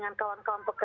menjadi korban phk